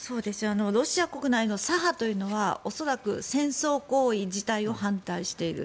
ロシア国内の左派というのは恐らく戦争行為自体を反対している。